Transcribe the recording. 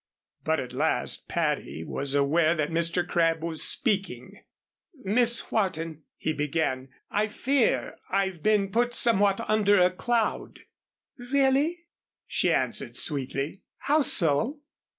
But at last Patty was aware that Mr. Crabb was speaking. "Miss Wharton," he began, "I fear I've been put somewhat under a cloud." "Really," she answered sweetly, "how so?"